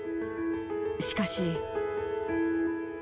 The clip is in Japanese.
しかし。